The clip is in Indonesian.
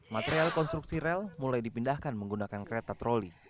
material konstruksi rel mulai dipindahkan menggunakan kereta troli